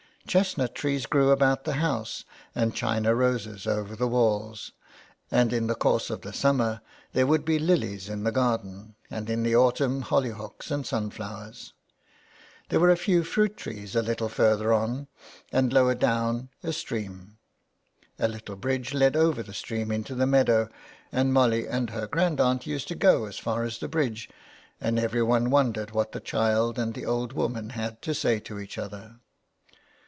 Chestnut trees grew about the house, and china roses over the walls, and in the course of the summer there would be lilies in the garden, and in the autumn hollyhocks and sun flowers. There were a few fruit trees a little further on, and, lower down, a stream. A little bridge led over the stream into the meadow, and Molly and her grandaunt used to go as far as the bridge, and every one wondered what the child and the old woman had to say to each other.